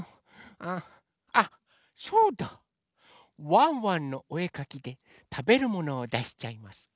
「ワンワンのおえかき」でたべるものをだしちゃいます。